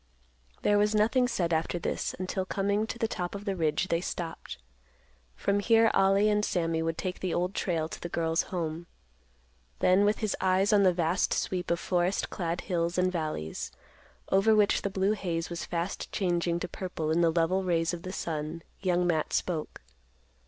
There was nothing said after this, until, coming to the top of the ridge, they stopped. From here Ollie and Sammy would take the Old Trail to the girl's home. Then, with his eyes on the vast sweep of forest clad hills and valleys, over which the blue haze was fast changing to purple in the level rays of the sun, Young Matt spoke.